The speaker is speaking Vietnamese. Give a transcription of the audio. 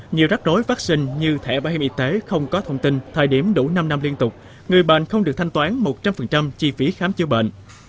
nhiều rắc rối phát sinh như thẻ bảo hiểm y tế không có thông tin thời điểm đủ năm năm liên tục người bệnh không được thanh toán một trăm linh chi phí khám chữa bệnh